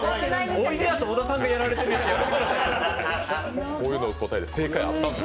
おいでやす小田さんがやられてるやつやん。